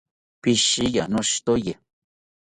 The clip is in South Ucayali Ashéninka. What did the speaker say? Pishiya, noshitoye